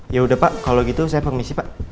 yaudah pak kalau gitu saya permisi pak